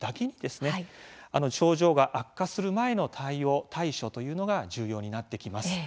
症状が悪化する前の対応対処というのが重要になってきます。